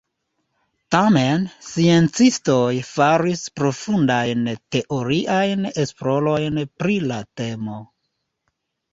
Tamen sciencistoj faris profundajn teoriajn esplorojn pri la temo.